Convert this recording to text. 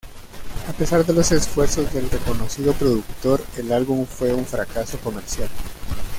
A pesar de los esfuerzos del reconocido productor, el álbum fue un fracaso comercial.